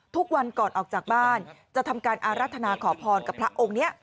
ทุกวันก่อนออกจากบ้านจะทำการอารัฐนาขอพรกับพระองค์นี้